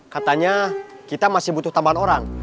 katanya kita masih butuh tambahan orang